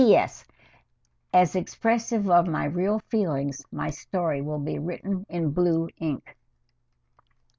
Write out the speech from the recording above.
P. S. As expressive of my real feelings, my story will be written in blue ink.